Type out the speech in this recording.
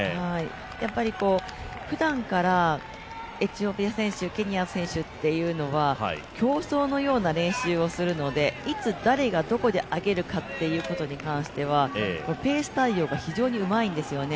やっぱり、ふだんからエチオピア選手、ケニア選手というのは競争のような練習をするのでいつ、どこで誰が上げるのかということについては、ペース対応が非常にうまいんですよね。